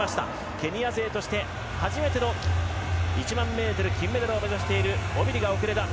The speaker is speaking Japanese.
ケニア勢として初めての１００００ｍ金メダルを目指しているオビリが遅れた。